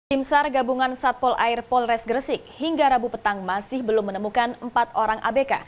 tim sar gabungan satpol air polres gresik hingga rabu petang masih belum menemukan empat orang abk